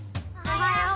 おはよう！